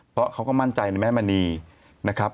เพราะเขาก็มั่นใจในแม่มณีนะครับ